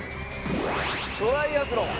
トライアスロン！